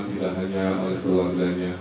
tidak hanya pada keluarganya